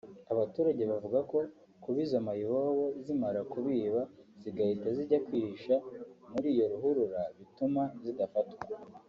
Abaturage bavuga ko kuba izo mayibobo zimara kubiba zigahita zijya kwihisha muri iyo ruhurura bituma zidafatwa